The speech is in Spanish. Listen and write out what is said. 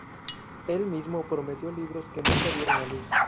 Él mismo prometió libros que nunca vieron la luz.